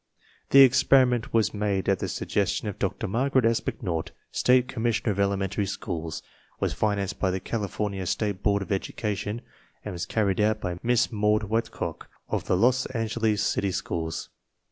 The experiment was made at the suggestion of Dr. Margaret S. McNaught, State Commissioner of Elementary Schools, was financed by the California State Board of Education, and was carried out by Miss Maud Whitlock of the Los Angeles city schools.